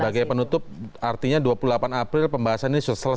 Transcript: sebagai penutup artinya dua puluh delapan april pembahasan ini selesai